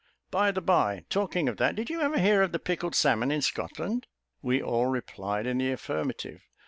By the by, talking of that, did you ever hear of the pickled salmon in Scotland?" We all replied in the affirmative.